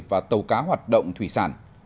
và tàu cá hoạt động thủy sản